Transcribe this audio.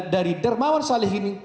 dari dermawan salihin